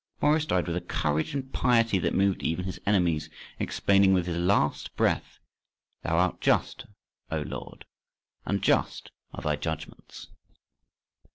Maurice died with a courage and piety that moved even his enemies, exclaiming with his last breath, "Thou art just, O Lord, and just are thy judgments!"